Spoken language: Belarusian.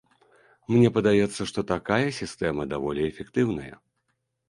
Мне падаецца, што такая сістэма даволі эфектыўная.